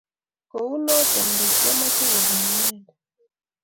Kou nitok le kiamoche kopun inyendet.